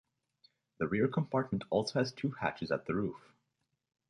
The rear compartment also has two hatches at the roof.